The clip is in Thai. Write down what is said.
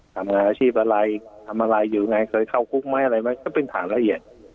ทำงานอาชีพอะไรทำอะไรอยู่ไงเคยเข้าคุกไหมอะไรไหมก็เป็นฐานละเอียด